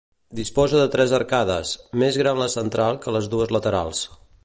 Disposa de tres arcades, més gran la central que les dues laterals.